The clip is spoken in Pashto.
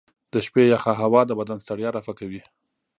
د شپې یخه هوا د بدن ستړیا رفع کوي.